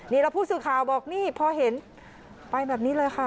นี่แล้วผู้สื่อข่าวบอกนี่พอเห็นไปแบบนี้เลยค่ะ